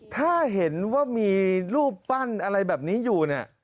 ถ้าเห็นว่ามีรูปปั้นอะไรแบบนี้อยู่เนี่ย